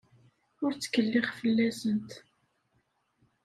Ur ttkileɣ fell-asent.